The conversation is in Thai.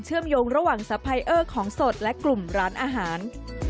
มโยงระหว่างสะพายเออร์ของสดและกลุ่มร้านอาหาร